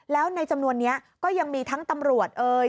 แล้วในจำนวนนี้ก็ยังมีทั้งตำรวจเอ่ย